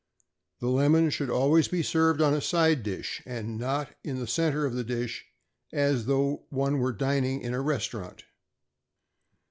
The lemon should be served on a side dish, and not in the centre of the dish as though one were dining in a restaurant.